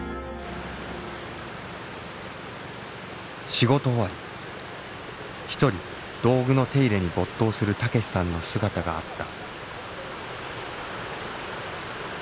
仕事終わり一人道具の手入れに没頭する武さんの姿があった。